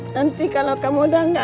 nanti kalau kamu udah gak